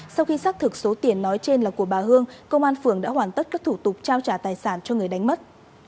sau khi xác thực số tiền nói trên là của bà hương công an phường đã hoàn tất các thủ tục trao trả tài sản cho người đánh mất